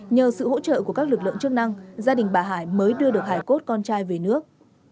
nhờ sự hỗ trợ của các lực lượng chức năng gia đình bà hải mới đưa được hải cốt con trai về nước